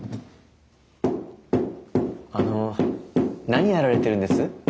あの何やられてるんです？